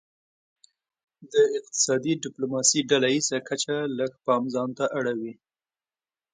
د اقتصادي ډیپلوماسي ډله ایزه کچه لږ پام ځانته اړوي